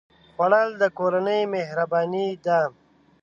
خوړل د کورنۍ مهرباني ده